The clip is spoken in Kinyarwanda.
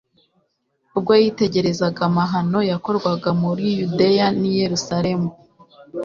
ubwo yitegereza amahano yakorwaga muri yudeya n'i yeruzalemu